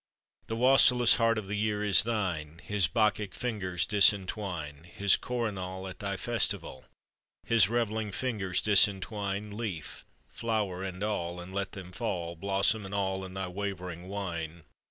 The wassailous heart of the Year is thine! His Bacchic fingers disentwine His coronal At thy festival; His revelling fingers disentwine Leaf, flower, and all, And let them fall Blossom and all in thy wavering wine.